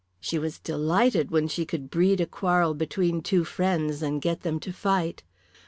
She was delighted when she could breed a quarrel between two friends and get them to fight.